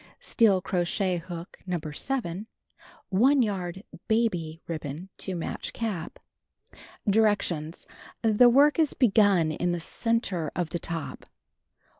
Steel crochet hook No. 7. 1 yard "baby" ribbon to match cap. Directions: The work is begun in the center of the top.